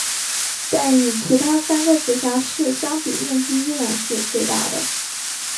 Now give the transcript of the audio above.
但与其他三个直辖市相比面积依然是最大的。